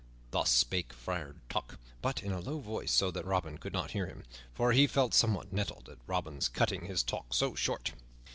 Thus spake Friar Tuck, but in a low voice so that Robin could not hear him, for he felt somewhat nettled at Robin's cutting his talk so short.